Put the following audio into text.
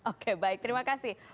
oke baik terima kasih